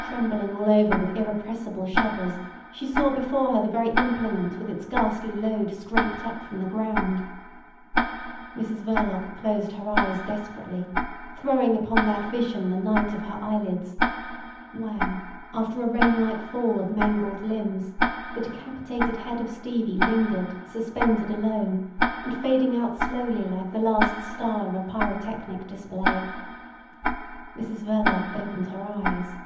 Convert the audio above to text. Trembling all over with irrepressible shudders, she saw before her the very implement with its ghastly load scraped up from the ground. Mrs Verloc closed her eyes desperately, throwing upon that vision the night of her eyelids, where after a rainlike fall of mangled limbs the decapitated head of Stevie lingered suspended alone, and fading out slowly like the last star of a pyrotechnic display. Mrs Verloc opened her eyes.